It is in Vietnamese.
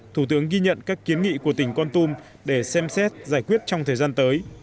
thủ tướng ghi nhận các kiến nghị của tỉnh con tum để xem xét giải quyết trong thời gian tới